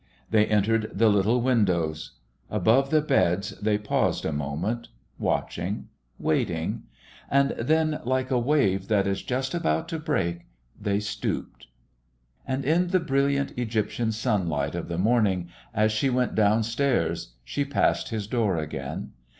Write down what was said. They entered the little windows. Above the beds they paused a moment, watching, waiting, and then, like a wave that is just about to break, they stooped.... And in the brilliant Egyptian sunlight of the morning, as she went downstairs, she passed his door again.